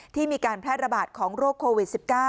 ที่มีการแพร่ระบาดของโรคโควิด๑๙